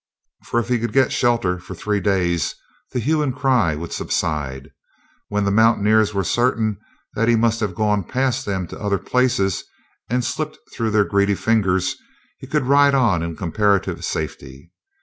For, if he could get shelter for three days, the hue and cry would subside. When the mountaineers were certain that he must have gone past them to other places and slipped through their greedy fingers he could ride on in comparative safety.